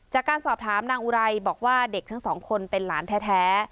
จากการสอบถามนางอุไรบอกว่าเด็กทั้งสองคนเป็นหลานแท้